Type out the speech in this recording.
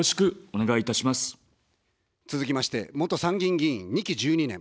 続きまして、元参議院議員２期１２年。